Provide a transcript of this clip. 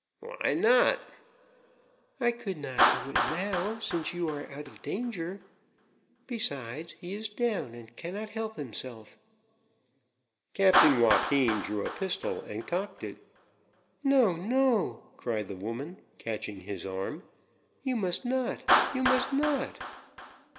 "Why not?" "I could not do it now, since you are out of danger; besides, he is down and cannot help himself." Captain Joaquin drew a pistol and cocked it. "No, no!" cried the woman, catching his arm. "You must not, you must not!"